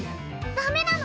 ダメなの！